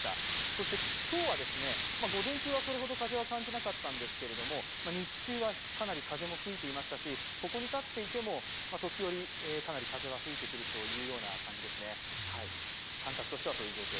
そして今日は、午前中はそれほど風は感じなかったんですけれども、日中はかなり風も吹いていましたし、ここに立っていても時折、かなり風が吹いてくるというような感じです。